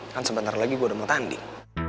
kan sebentar lagi gue udah mau tanding